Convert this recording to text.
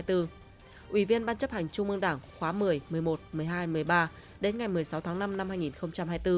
ủy viên ban chấp hành trung ương đảng khóa một mươi một mươi một một mươi hai một mươi ba đến ngày một mươi sáu tháng năm năm hai nghìn hai mươi bốn